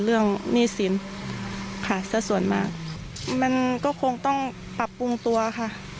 หนี้สินค่ะสักส่วนมากมันก็คงต้องปรับปรุงตัวค่ะ